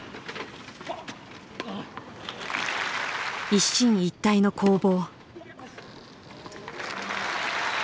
一進一退の攻防。